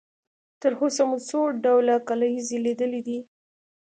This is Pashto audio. تر اوسه مو څو ډوله کلیزې لیدلې دي؟